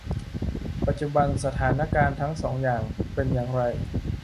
ปัจจุบันสถานการณ์ทั้งสองอย่างเป็นอย่างไร ?